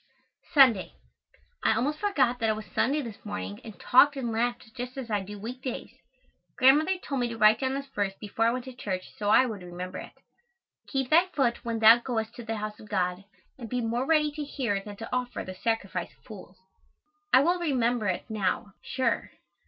Sunday. I almost forgot that it was Sunday this morning and talked and laughed just as I do week days. Grandmother told me to write down this verse before I went to church so I would remember it: "Keep thy foot when thou goest to the house of God, and be more ready to hear than to offer the sacrifice of fools." I will remember it now, sure.